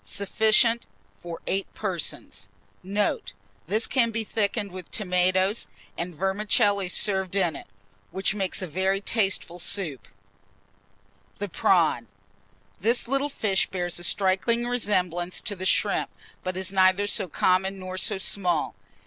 Sufficient for 8 persons. Note. This can be thickened with tomatoes, and vermicelli served in it, which makes it a very tasteful soup. [Illustration: THE PRAWN.] THE PRAWN. This little fish bears a striking resemblance to the shrimp, but is neither so common nor so small.